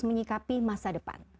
menyikapi masa depan